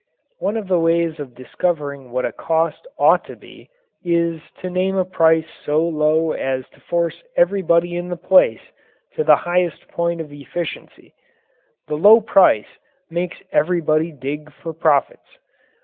One of the ways of discovering what a cost ought to be is to name a price so low as to force everybody in the place to the highest point of efficiency. The low price makes everybody dig for profits.